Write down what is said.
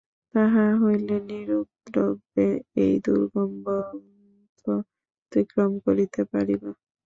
তাহা হইলে নিরুপদ্রবে এই দুর্গম বত্ম অতিক্রম করিতে পারিব।